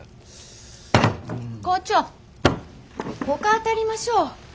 校長ほか当たりましょう。